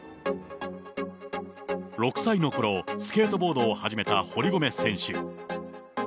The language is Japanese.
６歳のころ、スケートボードを始めた堀米選手。